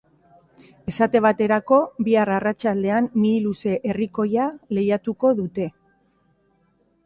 Esate baterako, bihar arratsaldean Mihiluze herrikoia lehiatuko dute.